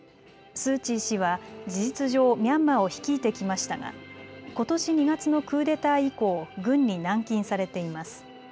スー・チー氏は事実上、ミャンマーを率いてきましたがことし２月のクーデター以降、軍に軟禁されています。